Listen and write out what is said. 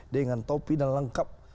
dengan topi dan lengkap